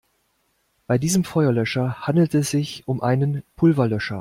Bei diesem Feuerlöscher handelt es sich um einen Pulverlöscher.